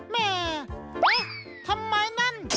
แม่เอ๊ะทำไมนั่น